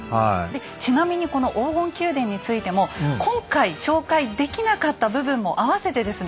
ちなみにこの黄金宮殿についても今回紹介できなかった部分も合わせてですね